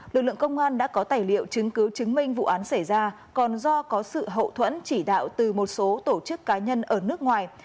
lực lượng công an đã có tài liệu chứng cứ chứng minh vụ án xảy ra còn do có sự hậu thuẫn chỉ đạo từ một số tổ chức cá nhân ở nước ngoài